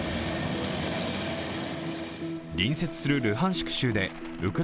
隣接するルハンシク